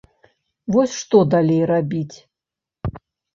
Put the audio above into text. Вось што далей рабіць!